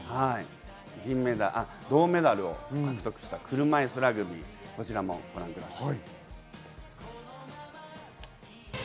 銅メダルを獲得した車いすラグビー、こちらもご覧ください。